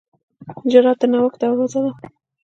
جرأت د نوښت دروازه ده.